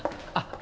あ。